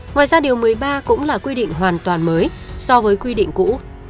ngoài ra điều một mươi ba cũng là quy định hoàn toàn mới so với quy định cũ